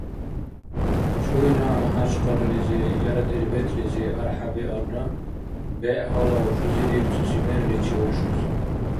Чуйна МяхӀячкъалализи яра Дербентлизи архӀя биалра, бегӀ гьалав жузи дирцуси мерличи вашус.